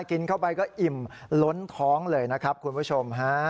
กินเข้าไปก็อิ่มล้นท้องเลยนะครับคุณผู้ชมฮะ